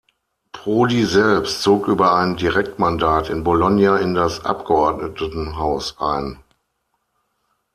Prodi selbst zog über ein Direktmandat in Bologna in das Abgeordnetenhaus ein.